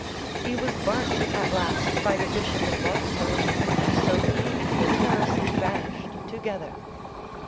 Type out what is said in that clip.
He was burnt at last by the Bishop of Wartzburg, and so he and his heresy vanished together.